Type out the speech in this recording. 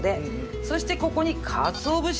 そしてここにかつお節です。